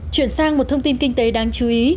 chuyển sang một thông tin kinh tế đáng chú ý